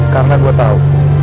karena gue tau